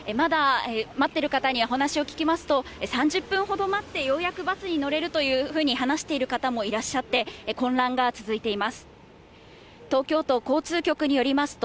それでも列は短くなりましたが、まだ待っている方に話を聞きますと、３０分ほど待って、ようやくバスに乗れるというふうに話している方もいらっしゃって、混乱が続いています。